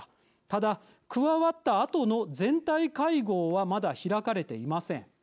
ただ、加わったあとの全体会合はまだ開かれていません。